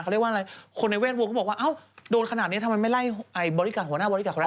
แต่คือคนในเวทวงก็บอกว่าโดนขนาดนี้ทำไมไม่ไล่โจรหัวหน้าโจรหัวหน้า